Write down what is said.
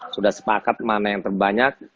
sudah sepakat mana yang terbanyak